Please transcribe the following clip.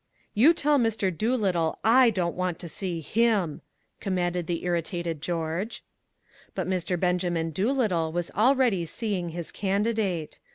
"You tell Mr. Doolittle I don't want to see him!" commanded the irritated George. But Mr. Benjamin Doolittle was already seeing his candidate.